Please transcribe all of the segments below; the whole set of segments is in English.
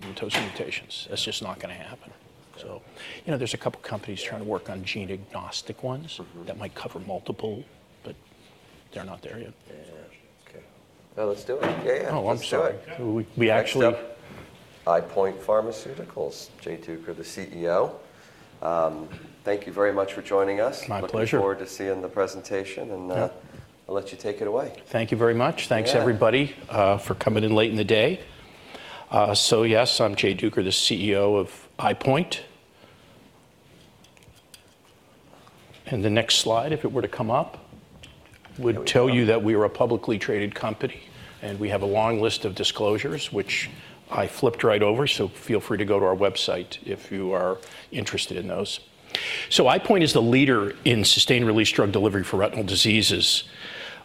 Pigmentosa mutations. That's just not going to happen. You know, there's a couple companies trying to work on gene-agnostic ones that might cover multiple, but they're not there yet. Yeah. Okay. Let's do it. Yeah. Oh, I'm sure. We actually. EyePoint Pharmaceuticals, Jay Duker, the CEO. Thank you very much for joining us. My pleasure. Looking forward to seeing the presentation, and I'll let you take it away. Thank you very much. Thanks, everybody, for coming in late in the day. Yes, I'm Jay Duker, the CEO of EyePoint. The next slide, if it were to come up, would tell you that we are a publicly traded company, and we have a long list of disclosures, which I flipped right over, so feel free to go to our website if you are interested in those. EyePoint is the leader in sustained-release drug delivery for retinal diseases.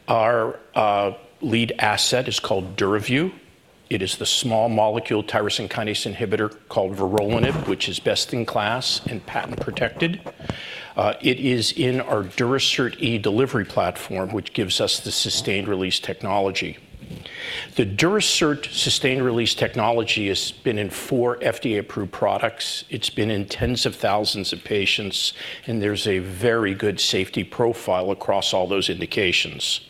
Our lead asset is called DURAVYU. It is the small molecule tyrosine kinase inhibitor called vorolanib, which is best in class and patent protected. It is in our Durasert E delivery platform, which gives us the sustained-release technology. The Durasert sustained-release technology has been in four FDA-approved products. It's been in tens of thousands of patients, and there's a very good safety profile across all those indications.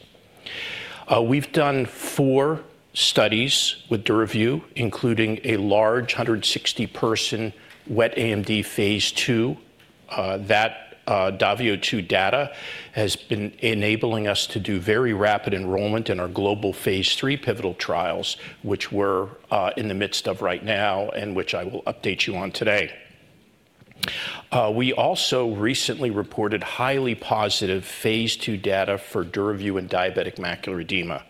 We've done four studies with DURAVYU, including a large 160-person wet AMD phase II. That DAVIO II data has been enabling us to do very rapid enrollment in our global phase III pivotal trials, which we're in the midst of right now and which I will update you on today. We also recently reported highly positive phase II data for DURAVYU in diabetic macular edema.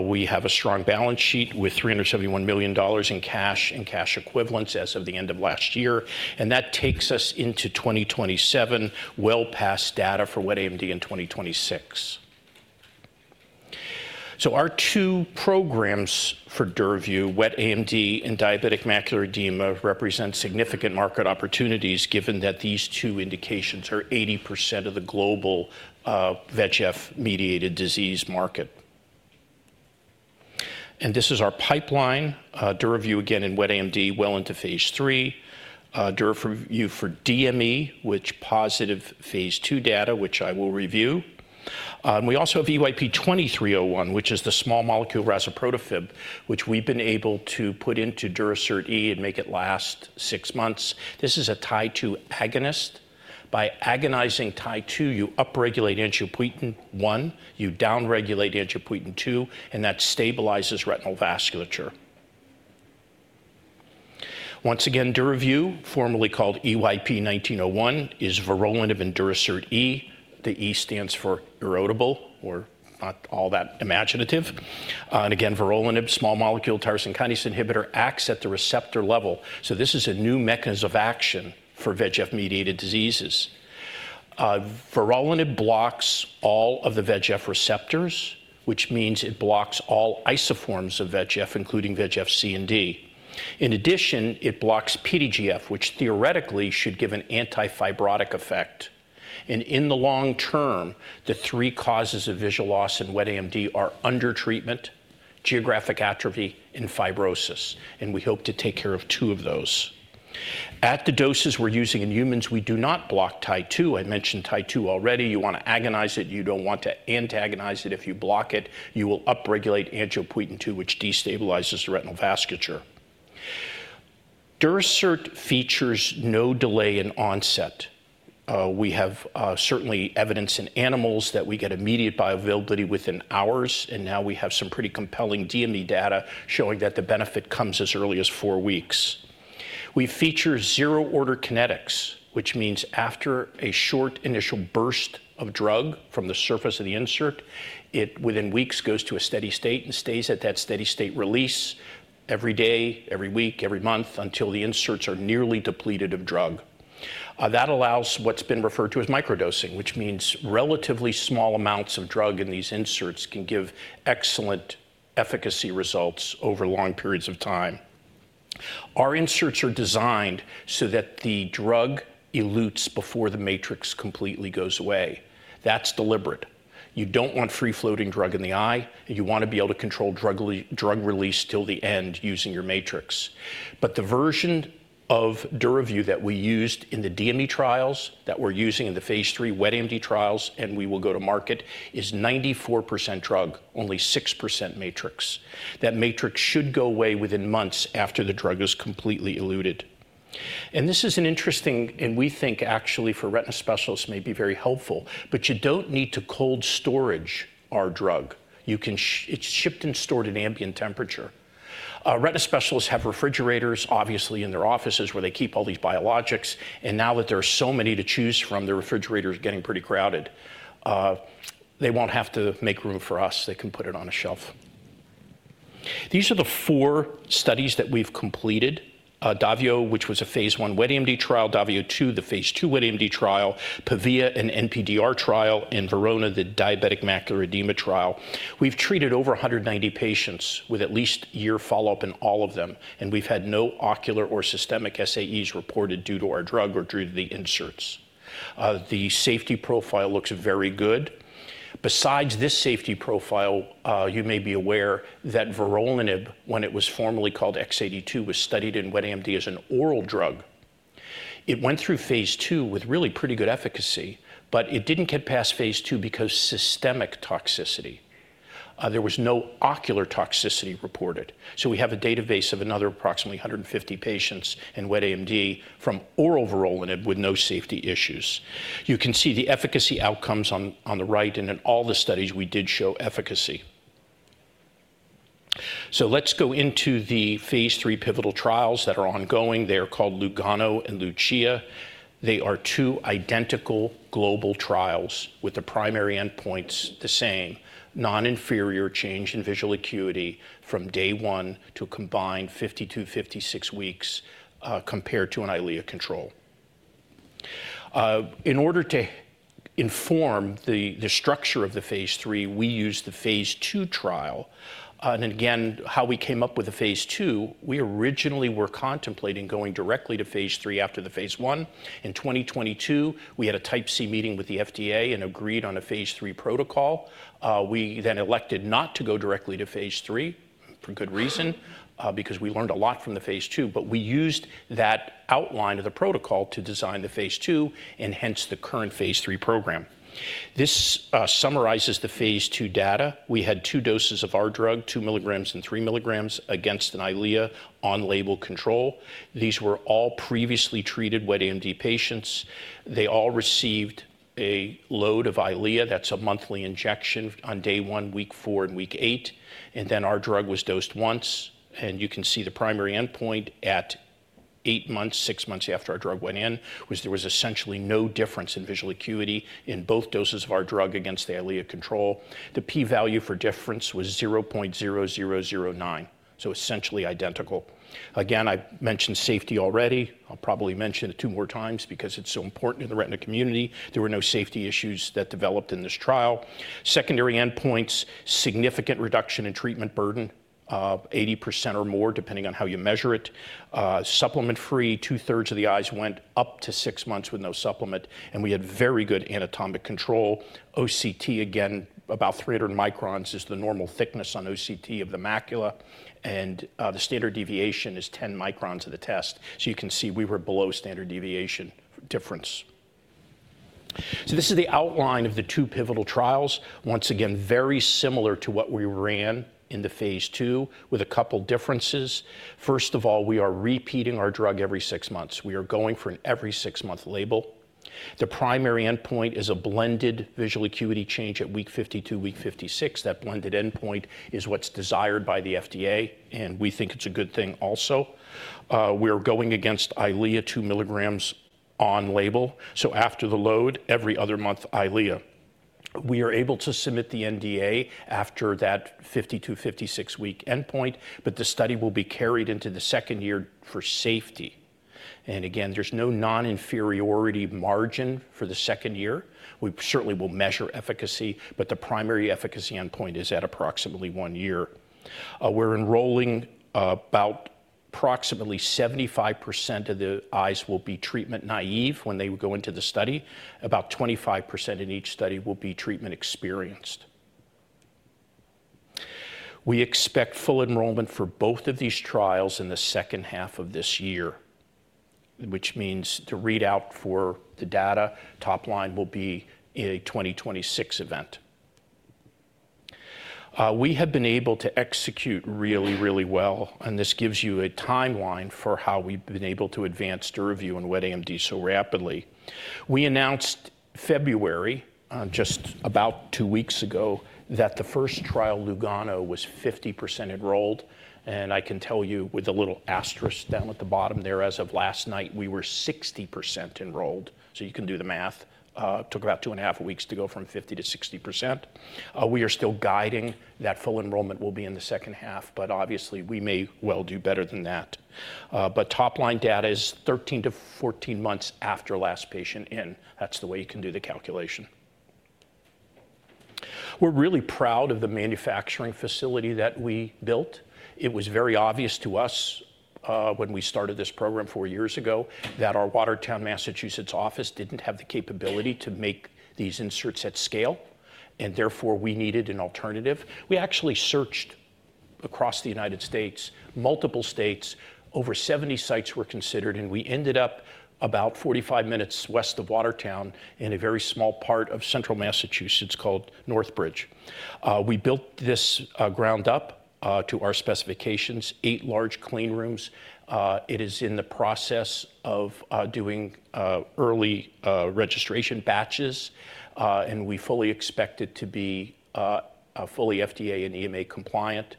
We have a strong balance sheet with $371 million in cash and cash equivalents as of the end of last year, and that takes us into 2027, well past data for wet AMD in 2026. Our two programs for DURAVYU, wet AMD and diabetic macular edema, represent significant market opportunities, given that these two indications are 80% of the global VEGF-mediated disease market. This is our pipeline: DURAVYU, again, in wet AMD, well into phase III. DURAVYU for DME, which has positive phase II data, which I will review. We also have EYP-2301, which is the small molecule razuprotafib, which we've been able to put into Durasert E and make it last six months. This is a TIE2 agonist. By agonizing TIE2, you upregulate Angiopoietin-1, you downregulate Angiopoietin-2, and that stabilizes retinal vasculature. Once again, DURAVYU, formerly called EYP-1901, is vorolanib and Durasert E. The E stands for erodible, or not all that imaginative. Again, vorolanib, small molecule tyrosine kinase inhibitor, acts at the receptor level. This is a new mechanism of action for VEGF-mediated diseases. Vorolanib blocks all of the VEGF receptors, which means it blocks all isoforms of VEGF, including VEGF C and D. In addition, it blocks PDGF, which theoretically should give an antifibrotic effect. In the long term, the three causes of visual loss in wet AMD are under treatment, geographic atrophy, and fibrosis, and we hope to take care of two of those. At the doses we're using in humans, we do not block TIE2. I mentioned TIE2 already. You want to agonize it. You don't want to antagonize it. If you block it, you will upregulate Angiopoietin-2, which destabilizes the retinal vasculature. Durasert features no delay in onset. We have certainly evidence in animals that we get immediate bioavailability within hours, and now we have some pretty compelling DME data showing that the benefit comes as early as four weeks. We feature zero-order kinetics, which means after a short initial burst of drug from the surface of the insert, it within weeks goes to a steady state and stays at that steady state release every day, every week, every month until the inserts are nearly depleted of drug. That allows what's been referred to as microdosing, which means relatively small amounts of drug in these inserts can give excellent efficacy results over long periods of time. Our inserts are designed so that the drug elutes before the matrix completely goes away. That's deliberate. You don't want free-floating drug in the eye, and you want to be able to control drug release till the end using your matrix. The version of DURAVYU that we used in the DME trials that we're using in the phase III wet AMD trials, and we will go to market, is 94% drug, only 6% matrix. That matrix should go away within months after the drug is completely eluted. This is interesting, and we think actually for retina specialists may be very helpful, but you don't need to cold storage our drug. It's shipped and stored at ambient temperature. Retina specialists have refrigerators, obviously, in their offices where they keep all these biologics, and now that there are so many to choose from, the refrigerator is getting pretty crowded. They won't have to make room for us. They can put it on a shelf. These are the four studies that we've completed: DAVIO, which was a phase I wet AMD trial; DAVIO II, the phase II wet AMD trial; PAVIA, an NPDR trial; and VERONA, the diabetic macular edema trial. We've treated over 190 patients with at least year follow-up in all of them, and we've had no ocular or systemic SAEs reported due to our drug or due to the inserts. The safety profile looks very good. Besides this safety profile, you may be aware that vorolanib, when it was formerly called X82, was studied in wet AMD as an oral drug. It went through phase II with really pretty good efficacy, but it didn't get past phase II because of systemic toxicity. There was no ocular toxicity reported. We have a database of another approximately 150 patients in wet AMD from oral vorolanib with no safety issues. You can see the efficacy outcomes on the right, and in all the studies, we did show efficacy. Let's go into the phase III pivotal trials that are ongoing. They are called LUGANO and LUCIA. They are two identical global trials with the primary endpoints the same: non-inferior change in visual acuity from day one to combined 52-56 weeks compared to an Eylea control. In order to inform the structure of the phase III, we used the phase II trial. Again, how we came up with the phase II, we originally were contemplating going directly to phase III after the phase I. In 2022, we had a type C meeting with the FDA and agreed on a phase III protocol. We then elected not to go directly to phase III for good reason, because we learned a lot from the phase II, but we used that outline of the protocol to design the phase II and hence the current phase III program. This summarizes the phase II data. We had two doses of our drug, 2 mg and 3 mg, against an Eylea on-label control. These were all previously treated wet AMD patients. They all received a load of Eylea. That's a monthly injection on day one, week four, and week eight. Our drug was dosed once, and you can see the primary endpoint at eight months, six months after our drug went in, was there was essentially no difference in visual acuity in both doses of our drug against the Eylea control. The p-value for difference was 0.0009, so essentially identical. Again, I mentioned safety already. I'll probably mention it two more times because it's so important in the retina community. There were no safety issues that developed in this trial. Secondary endpoints: significant reduction in treatment burden, 80% or more depending on how you measure it. Supplement-free, two-thirds of the eyes went up to six months with no supplement, and we had very good anatomic control. OCT, again, about 300 microns is the normal thickness on OCT of the macula, and the standard deviation is 10 microns of the test. You can see we were below standard deviation difference. This is the outline of the two pivotal trials. Once again, very similar to what we ran in the phase II, with a couple differences. First of all, we are repeating our drug every six months. We are going for an every six-month label. The primary endpoint is a blended visual acuity change at week 52, week 56. That blended endpoint is what's desired by the FDA, and we think it's a good thing also. We are going against Eylea 2 mg on label. After the load, every other month, Eylea. We are able to submit the NDA after that 52-56 week endpoint, but the study will be carried into the second year for safety. There is no non-inferiority margin for the second year. We certainly will measure efficacy, but the primary efficacy endpoint is at approximately one year. We're enrolling about approximately 75% of the eyes will be treatment naive when they would go into the study. About 25% in each study will be treatment experienced. We expect full enrollment for both of these trials in the second half of this year, which means the readout for the data top line will be a 2026 event. We have been able to execute really, really well, and this gives you a timeline for how we've been able to advance DURAVYU and wet AMD so rapidly. We announced in February, just about two weeks ago, that the first trial, LUGANO, was 50% enrolled, and I can tell you with a little asterisk down at the bottom there, as of last night, we were 60% enrolled. You can do the math. It took about two and a half weeks to go from 50% to 60%. We are still guiding that full enrollment will be in the second half, but obviously, we may well do better than that. Top line data is 13-14 months after last patient in. That's the way you can do the calculation. We're really proud of the manufacturing facility that we built. It was very obvious to us when we started this program four years ago that our Watertown, Massachusetts office didn't have the capability to make these inserts at scale, and therefore we needed an alternative. We actually searched across the United States, multiple states, over 70 sites were considered, and we ended up about 45 minutes west of Watertown in a very small part of central Massachusetts called Northbridge. We built this ground up to our specifications, eight large clean rooms. It is in the process of doing early registration batches, and we fully expect it to be fully FDA and EMA compliant.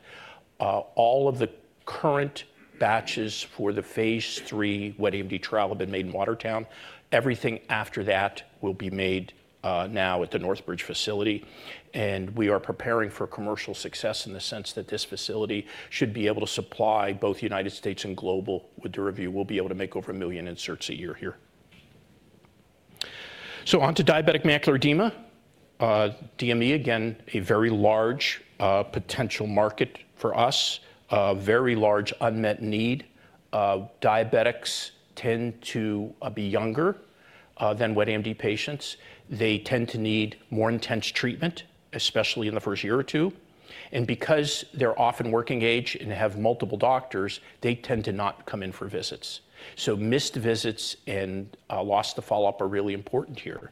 All of the current batches for the phase III wet AMD trial have been made in Watertown. Everything after that will be made now at the Northbridge facility, and we are preparing for commercial success in the sense that this facility should be able to supply both United States and global with DURAVYU. We'll be able to make over 1 million inserts a year here. On to diabetic macular edema. DME, again, a very large potential market for us, very large unmet need. Diabetics tend to be younger than wet AMD patients. They tend to need more intense treatment, especially in the first year or two. Because they're often working age and have multiple doctors, they tend to not come in for visits. Missed visits and lost follow-up are really important here.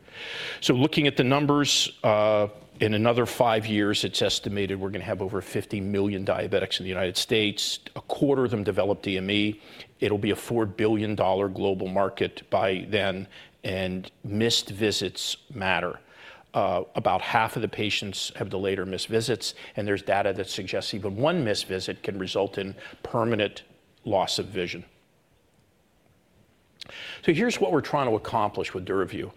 Looking at the numbers, in another five years, it's estimated we're going to have over 50 million diabetics in the United States. A quarter of them develop DME. It'll be a $4 billion global market by then, and missed visits matter. About half of the patients have delayed or missed visits, and there's data that suggests even one missed visit can result in permanent loss of vision. Here's what we're trying to accomplish with DURAVYU.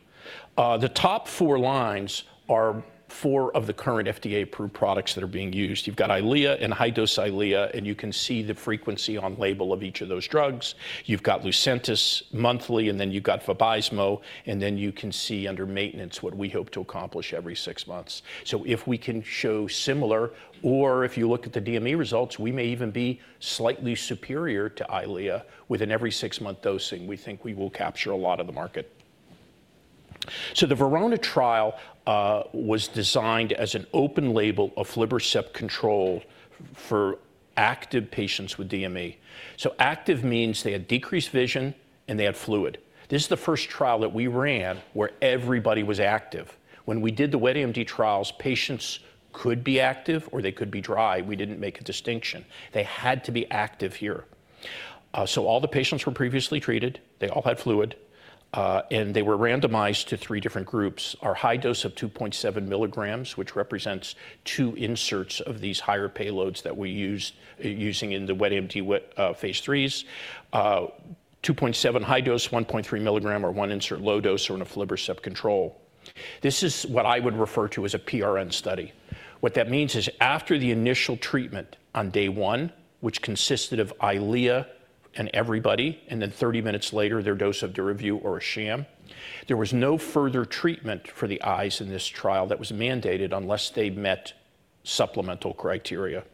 The top four lines are four of the current FDA-approved products that are being used. You've got Eylea and high-dose Eylea, and you can see the frequency on label of each of those drugs. You've got Lucentis monthly, and then you've got VABYSMO, and then you can see under maintenance what we hope to accomplish every six months. If we can show similar, or if you look at the DME results, we may even be slightly superior to Eylea with an every six-month dosing. We think we will capture a lot of the market. The VERONA trial was designed as an open label Eylea control for active patients with DME. Active means they had decreased vision and they had fluid. This is the first trial that we ran where everybody was active. When we did the wet AMD trials, patients could be active or they could be dry. We did not make a distinction. They had to be active here. All the patients were previously treated. They all had fluid, and they were randomized to three different groups. Our high dose of 2.7 mg, which represents two inserts of these higher payloads that we're using in the wet AMD phase IIIs, 2.7 high dose, 1.3 mg or one insert low dose or an Eylea control. This is what I would refer to as a PRN study. What that means is after the initial treatment on day one, which consisted of Eylea in everybody, and then 30 minutes later their dose of DURAVYU or a sham, there was no further treatment for the eyes in this trial that was mandated unless they met supplemental criteria.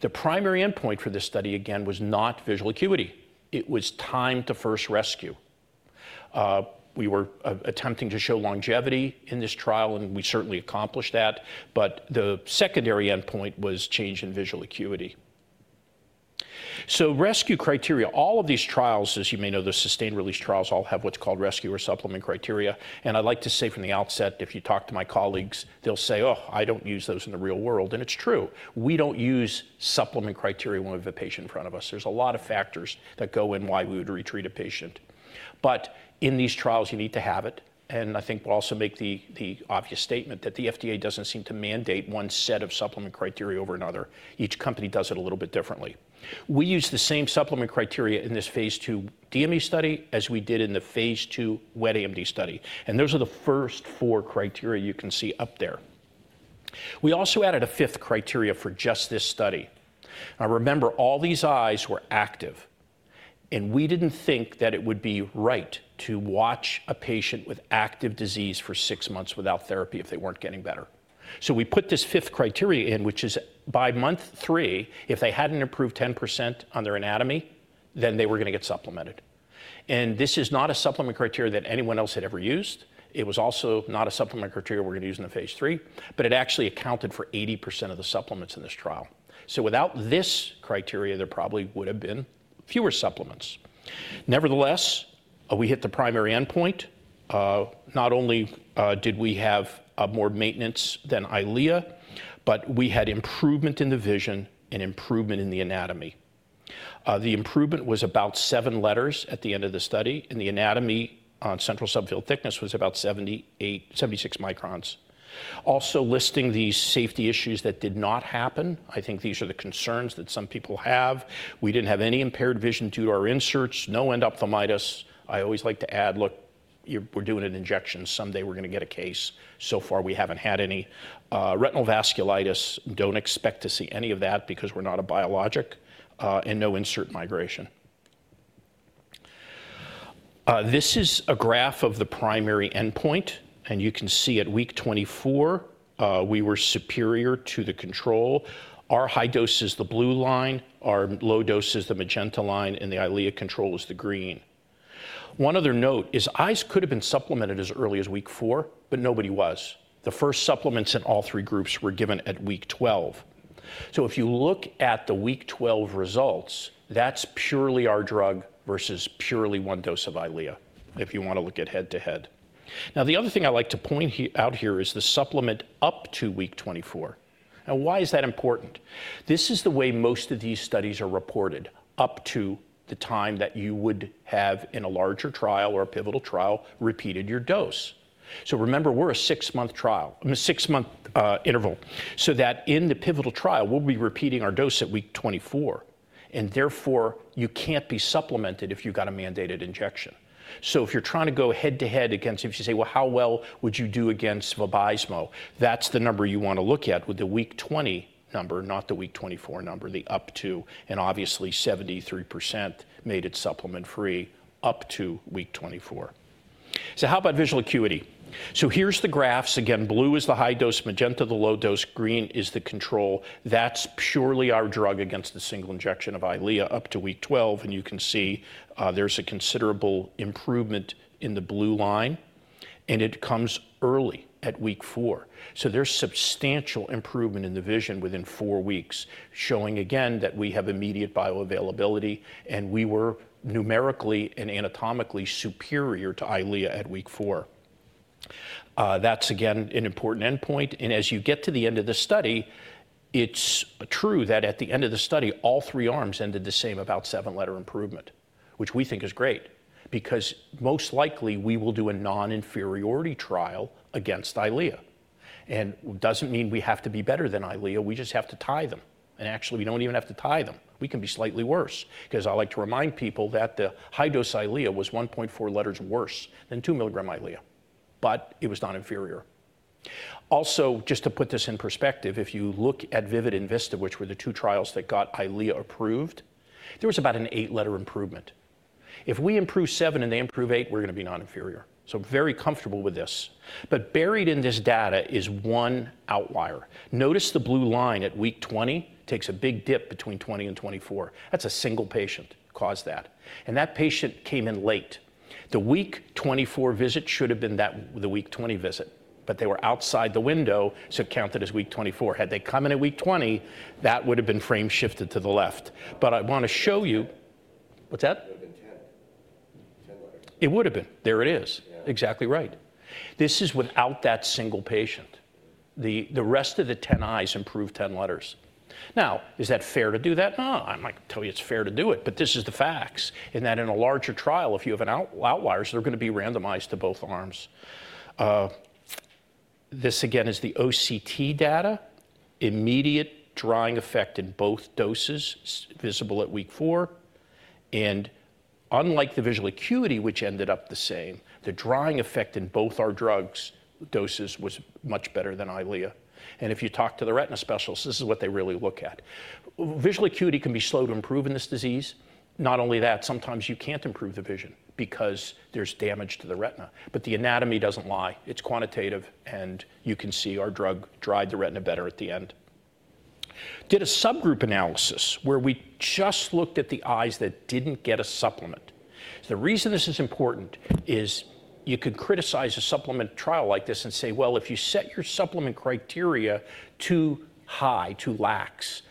The primary endpoint for this study, again, was not visual acuity. It was time to first rescue. We were attempting to show longevity in this trial, and we certainly accomplished that, but the secondary endpoint was change in visual acuity. Rescue criteria. All of these trials, as you may know, the sustained release trials all have what's called rescue or supplement criteria, and I'd like to say from the outset, if you talk to my colleagues, they'll say, "Oh, I don't use those in the real world," and it's true. We don't use supplement criteria when we have a patient in front of us. There's a lot of factors that go in why we would retreat a patient. In these trials, you need to have it, and I think we'll also make the obvious statement that the FDA doesn't seem to mandate one set of supplement criteria over another. Each company does it a little bit differently. We use the same supplement criteria in this phase II DME study as we did in the phase II wet AMD study, and those are the first four criteria you can see up there. We also added a fifth criteria for just this study. Now, remember, all these eyes were active, and we did not think that it would be right to watch a patient with active disease for six months without therapy if they were not getting better. We put this fifth criteria in, which is by month three, if they had not improved 10% on their anatomy, then they were going to get supplemented. This is not a supplement criteria that anyone else had ever used. It was also not a supplement criteria we are going to use in the phase III, but it actually accounted for 80% of the supplements in this trial. Without this criteria, there probably would have been fewer supplements. Nevertheless, we hit the primary endpoint. Not only did we have more maintenance than Eylea, but we had improvement in the vision and improvement in the anatomy. The improvement was about seven letters at the end of the study, and the anatomy on central subfield thickness was about 76 microns. Also listing these safety issues that did not happen, I think these are the concerns that some people have. We did not have any impaired vision due to our inserts, no endophthalmitis. I always like to add, "Look, we're doing an injection. Someday we're going to get a case." So far, we have not had any. Retinal vasculitis, do not expect to see any of that because we are not a biologic, and no insert migration. This is a graph of the primary endpoint, and you can see at week 24, we were superior to the control. Our high dose is the blue line, our low dose is the magenta line, and the Eylea control is the green. One other note is eyes could have been supplemented as early as week four, but nobody was. The first supplements in all three groups were given at week 12. If you look at the week 12 results, that's purely our drug versus purely one dose of Eylea, if you want to look at head-to-head. The other thing I like to point out here is the supplement up to week 24. Why is that important? This is the way most of these studies are reported, up to the time that you would have in a larger trial or a pivotal trial repeated your dose. Remember, we're a six-month trial, a six-month interval, so that in the pivotal trial, we'll be repeating our dose at week 24, and therefore you can't be supplemented if you've got a mandated injection. If you're trying to go head-to-head against, if you say, "How well would you do against VABYSMO?" that's the number you want to look at with the week 20 number, not the week 24 number, the up to, and obviously 73% made it supplement-free up to week 24. How about visual acuity? Here's the graphs. Again, blue is the high dose, magenta the low dose, green is the control. That's purely our drug against the single injection of Eylea up to week 12, and you can see there's a considerable improvement in the blue line, and it comes early at week four. There's substantial improvement in the vision within four weeks, showing again that we have immediate bioavailability, and we were numerically and anatomically superior to Eylea at week four. That's again an important endpoint, and as you get to the end of the study, it's true that at the end of the study, all three arms ended the same, about seven-letter improvement, which we think is great because most likely we will do a non-inferiority trial against Eylea, and it doesn't mean we have to be better than Eylea. We just have to tie them, and actually we don't even have to tie them. We can be slightly worse because I like to remind people that the high dose Eylea was 1.4 letters worse than 2 mg Eylea, but it was not inferior. Also, just to put this in perspective, if you look at VIVID and VISTA, which were the two trials that got Eylea approved, there was about an eight-letter improvement. If we improve seven and they improve eight, we're going to be non-inferior. Very comfortable with this, but buried in this data is one outlier. Notice the blue line at week 20 takes a big dip between 20 and 24. That is a single patient caused that, and that patient came in late. The week 24 visit should have been at the week 20 visit, but they were outside the window, so it counted as week 24. Had they come in at week 20, that would have been frame shifted to the left, but I want to show you what is that? It would have been 10. 10 letters. It would have been. There it is. Exactly right. This is without that single patient. The rest of the 10 eyes improved 10 letters. Now, is that fair to do that? No, I might tell you it's fair to do it, but this is the facts in that in a larger trial, if you have outliers, they're going to be randomized to both arms. This again is the OCT data, immediate drying effect in both doses visible at week four, and unlike the visual acuity, which ended up the same, the drying effect in both our drugs' doses was much better than Eylea. If you talk to the retina specialists, this is what they really look at. Visual acuity can be slow to improve in this disease. Not only that, sometimes you can't improve the vision because there's damage to the retina, but the anatomy doesn't lie. It's quantitative, and you can see our drug dried the retina better at the end. Did a subgroup analysis where we just looked at the eyes that didn't get a supplement. The reason this is important is you could criticize a supplement trial like this and say, "Well, if you set your supplement criteria too high, too lax,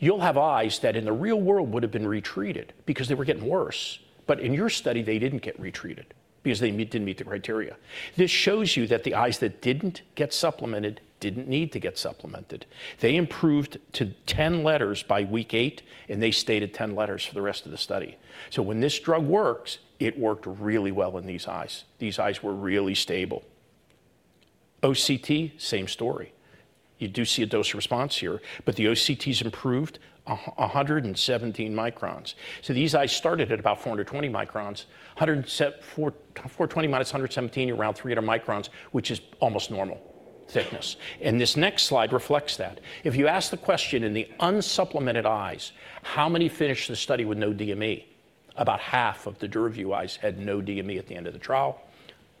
you'll have eyes that in the real world would have been retreated because they were getting worse, but in your study, they didn't get retreated because they didn't meet the criteria." This shows you that the eyes that didn't get supplemented didn't need to get supplemented. They improved to 10 letters by week eight, and they stayed at 10 letters for the rest of the study. When this drug works, it worked really well in these eyes. These eyes were really stable. OCT, same story. You do see a dose response here, but the OCTs improved 117 microns. These eyes started at about 420 microns, 420 minus 117, you're around 300 microns, which is almost normal thickness, and this next slide reflects that. If you ask the question in the unsupplemented eyes, how many finished the study with no DME? About half of the DURAVYU eyes had no DME at the end of the trial.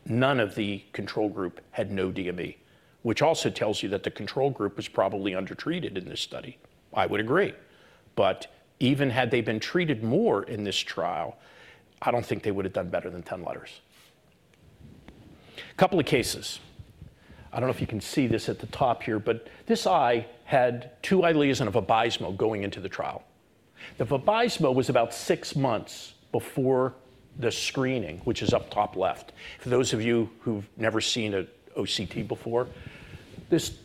None of the control group had no DME, which also tells you that the control group was probably undertreated in this study. I would agree, but even had they been treated more in this trial, I don't think they would have done better than 10 letters. Couple of cases. I don't know if you can see this at the top here, but this eye had two Eylea and a VABYSMO going into the trial. The VABYSMO was about six months before the screening, which is up top left. For those of you who've never seen an OCT before, this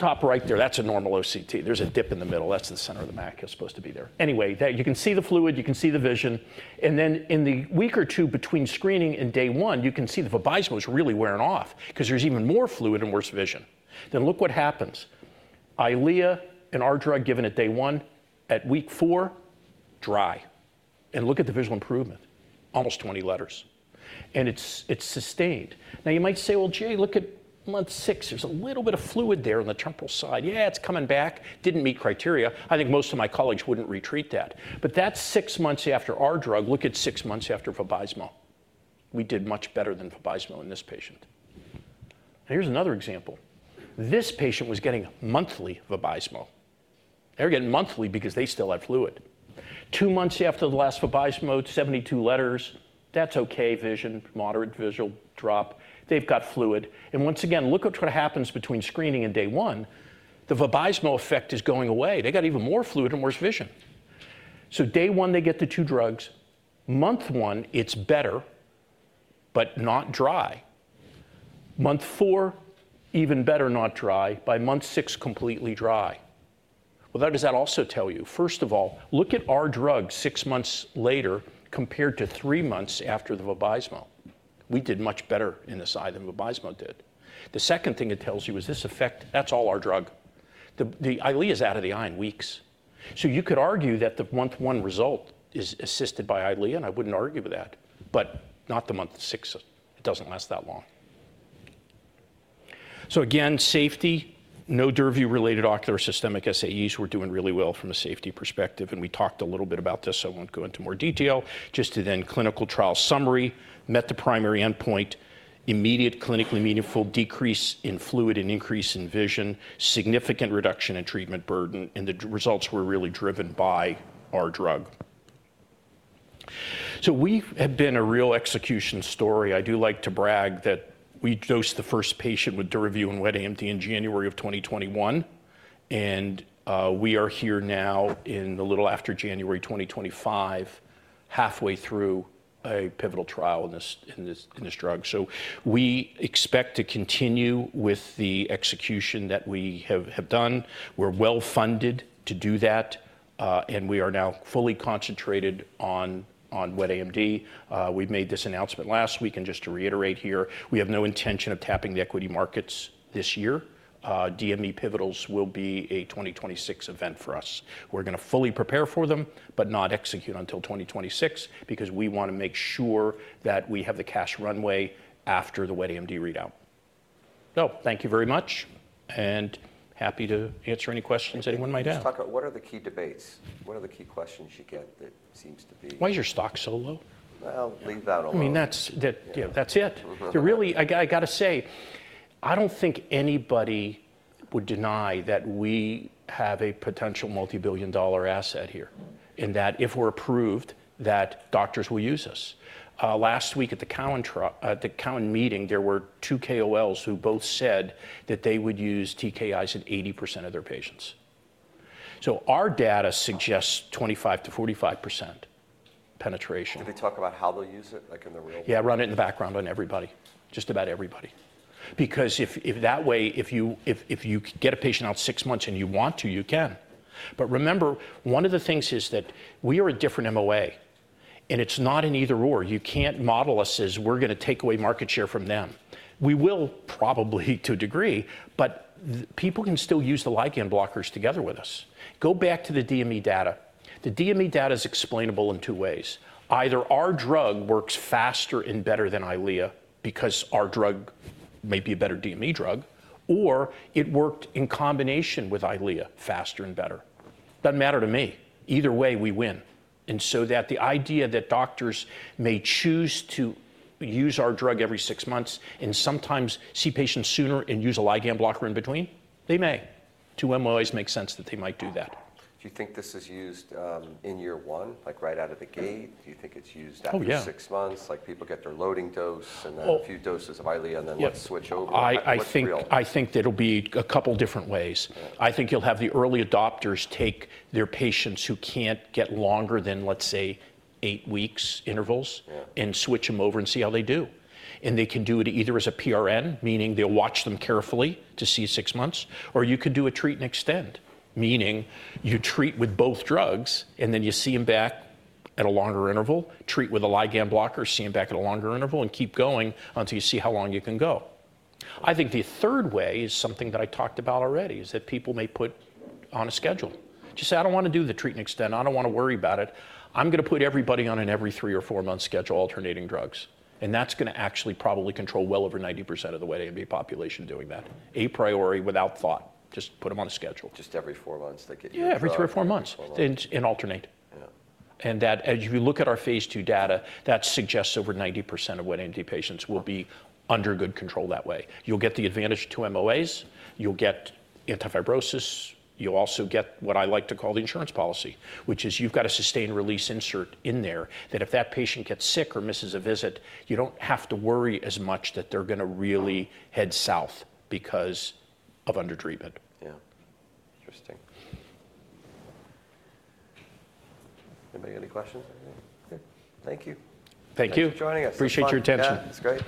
top right there, that's a normal OCT. There's a dip in the middle. That's the center of the macula supposed to be there. Anyway, you can see the fluid, you can see the vision, and then in the week or two between screening and day one, you can see the VABYSMO is really wearing off because there's even more fluid and worse vision. Look what happens. Eylea and our drug given at day one, at week four, dry, and look at the visual improvement, almost 20 letters, and it's sustained. You might say, "Well, Jay, look at month six. There's a little bit of fluid there on the temporal side." Yeah, it's coming back. Didn't meet criteria. I think most of my colleagues wouldn't retreat that, but that's six months after our drug. Look at six months after VABYSMO. We did much better than VABYSMO in this patient. Here's another example. This patient was getting monthly VABYSMO. They were getting monthly because they still had fluid. Two months after the last VABYSMO, 72 letters. That's okay vision, moderate visual drop. They've got fluid, and once again, look at what happens between screening and day one. The VABYSMO effect is going away. They got even more fluid and worse vision. Day one, they get the two drugs. Month one, it's better, but not dry. Month four, even better, not dry. By month six, completely dry. What does that also tell you? First of all, look at our drug six months later compared to three months after the VABYSMO. We did much better in this eye than VABYSMO did. The second thing it tells you is this effect, that's all our drug. The Eylea is out of the eye in weeks. You could argue that the month one result is assisted by Eylea, and I would not argue with that, but not the month six. It does not last that long. Again, safety, no DURAVYU-related ocular systemic SAEs. We are doing really well from a safety perspective, and we talked a little bit about this, so I will not go into more detail, just to then clinical trial summary. Met the primary endpoint, immediate clinically meaningful decrease in fluid and increase in vision, significant reduction in treatment burden, and the results were really driven by our drug. We have been a real execution story. I do like to brag that we dosed the first patient with DURAVYU in wet AMD in January of 2021, and we are here now in a little after January 2025, halfway through a pivotal trial in this drug. We expect to continue with the execution that we have done. We're well-funded to do that, and we are now fully concentrated on wet AMD. We made this announcement last week, and just to reiterate here, we have no intention of tapping the equity markets this year. DME pivotals will be a 2026 event for us. We're going to fully prepare for them, but not execute until 2026 because we want to make sure that we have the cash runway after the wet AMD readout. Thank you very much, and happy to answer any questions anyone might have. Let's talk about what are the key debates? What are the key questions you get that seems to be? Why is your stock so low? I mean, that's it. Really, I got to say, I don't think anybody would deny that we have a potential multi-billion dollar asset here and that if we're approved, that doctors will use us. Last week at the Cowen meeting, there were two KOLs who both said that they would use TKIs in 80% of their patients. Our data suggests 25-45% penetration. Can they talk about how they'll use it, like in the real world? Yeah, run it in the background on everybody, just about everybody, because if that way, if you get a patient out six months and you want to, you can. Remember, one of the things is that we are a different MOA, and it's not an either/or. You can't model us as we're going to take away market share from them. We will probably to a degree, but people can still use the ligand blockers together with us. Go back to the DME data. The DME data is explainable in two ways. Either our drug works faster and better than Eylea because our drug may be a better DME drug, or it worked in combination with Eylea faster and better. Doesn't matter to me. Either way, we win. The idea that doctors may choose to use our drug every six months and sometimes see patients sooner and use a ligand blocker in between, they may. Two MOAs, it makes sense that they might do that. Do you think this is used in year one, like right out of the gate? Do you think it's used after six months? Like people get their loading dose and then a few doses of Eylea and then let's switch over? I think it'll be a couple different ways. I think you'll have the early adopters take their patients who can't get longer than, let's say, eight weeks intervals and switch them over and see how they do. They can do it either as a PRN, meaning they'll watch them carefully to see six months, or you can do a treat and extend, meaning you treat with both drugs and then you see them back at a longer interval, treat with a ligand blocker, see them back at a longer interval, and keep going until you see how long you can go. I think the third way is something that I talked about already is that people may put on a schedule. Just say, "I don't want to do the treat and extend. I don't want to worry about it. I'm going to put everybody on an every three or four month schedule alternating drugs, and that's going to actually probably control well over 90% of the wet AMD population doing that. A priori without thought, just put them on a schedule. Just every four months they get your drug. Yeah, every three or four months and alternate. As you look at our phase II data, that suggests over 90% of wet AMD patients will be under good control that way. You'll get the advantage to MOAs. You'll get anti-fibrosis. You'll also get what I like to call the insurance policy, which is you've got a sustained release insert in there that if that patient gets sick or misses a visit, you don't have to worry as much that they're going to really head south because of undertreatment. Yeah. Interesting. Anybody got any questions? Good. Thank you. Thank you for joining us. Appreciate your attention. That's great.